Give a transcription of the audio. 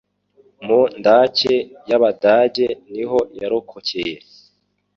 mu ndake z'Abadage niho yarokokeye